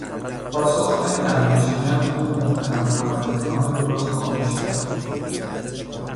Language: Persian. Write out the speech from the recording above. پاسخهای دندان شکن او متهم کنندگان او را خاموش کرد.